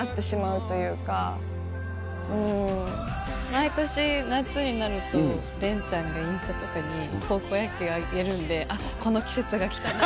毎年夏になると恋ちゃんがインスタとかに高校野球あげるんで「あっこの季節が来たな」